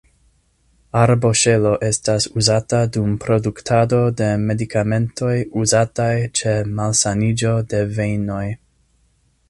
Arboŝelo estas uzata dum produktado de medikamentoj, uzataj ĉe malsaniĝo de vejnoj.